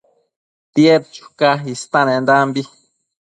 tied chuca istenendambi